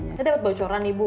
tapi ada bocoran nih bu